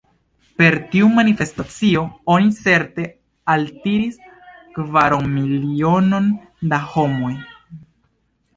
Per tiu manifestacio oni certe altiris kvaronmilionon da homoj.